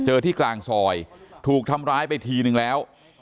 ที่กลางซอยถูกทำร้ายไปทีนึงแล้ว